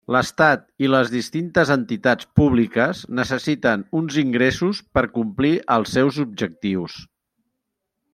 L'estat i les distintes entitats públiques necessiten uns ingressos per complir els seus objectius.